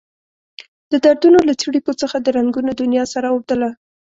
د دردونو له څړیکو څخه د رنګونو دنيا سره اوبدله.